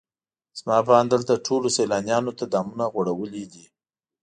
زما په اند دلته ټولو سیلانیانو ته دامونه غوړولي دي.